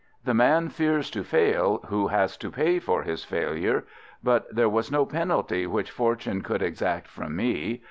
The man fears to fail who has to pay for his failure, but there was no penalty which Fortune could exact from me.